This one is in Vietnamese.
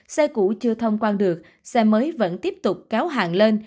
xe cũ chưa thông quan được xe mới vẫn tiếp tục kéo hàng lên